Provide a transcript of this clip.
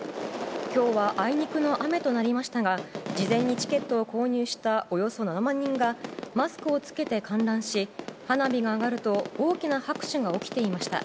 きょうはあいにくの雨となりましたが、事前にチケットを購入したおよそ７万人がマスクを着けて観覧し、花火が上がると、大きな拍手が起きていました。